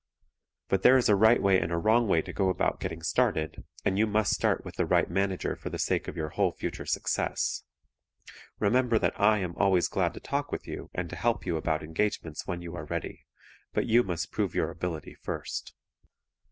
But there is a right way and a wrong way to go about getting started, and you must start with the right manager for the sake of your whole future success. Remember that I am always glad to talk with you and to help you about engagements when you are ready, but you must prove your ability first.